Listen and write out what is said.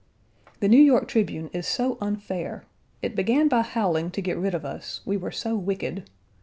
The New York Tribune is so unfair. It began by howling to get rid of us: we were so wicked.